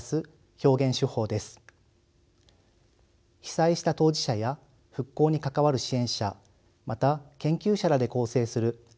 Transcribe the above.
被災した当事者や復興に関わる支援者また研究者らで構成する「３．１１からの独り言」